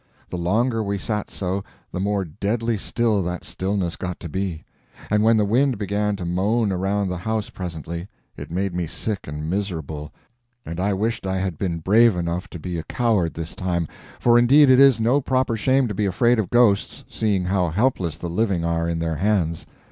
The longer we sat so, the more deadly still that stillness got to be; and when the wind began to moan around the house presently, it made me sick and miserable, and I wished I had been brave enough to be a coward this time, for indeed it is no proper shame to be afraid of ghosts, seeing how helpless the living are in their hands.